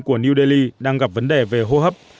của new delhi đang gặp vấn đề về hô hấp